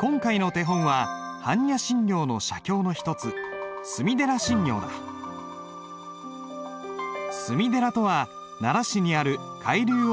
今回の手本は般若心経の写経の一つ隅寺とは奈良市にある海龍王寺の別名だ。